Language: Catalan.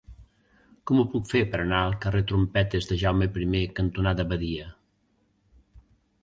Com ho puc fer per anar al carrer Trompetes de Jaume I cantonada Badia?